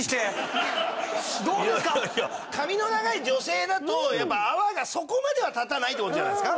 髪の長い女性だとやっぱり泡がそこまでは立たないって事じゃないですか？